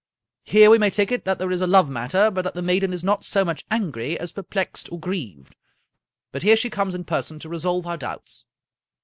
Here we may take it that there is a love matter, but that the maiden is not so much angry as perplexed or grieved. But here she comes in person to resolve our doubts."